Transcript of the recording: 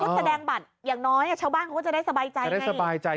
ก็แสดงบัตรอย่างน้อยชาวบ้านก็จะได้สบายใจ